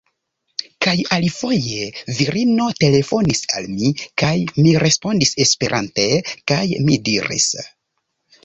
Kaj alifoje, virino telefonis al mi, kaj mi respondis Esperante, kaj mi diris: